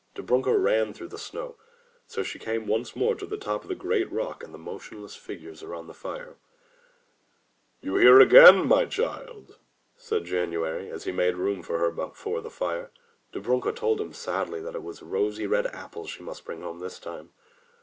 Dobrunka ran through the snow. So she came once more to the top of the great rock and the motion less figures around the fire. 149 M Y BOOK HOUSE "You here again, my child?" said January, as he made room for her before the fire. Dobrunka told him sadly it was rosy red apples she must bring home this time.